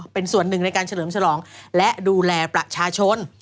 เป็นส่วนหนึ่งในการเฉลิมฉลองและดูแลประชาชน